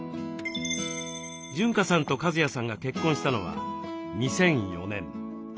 潤香さんと和也さんが結婚したのは２００４年。